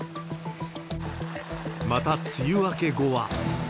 また、梅雨明け後は。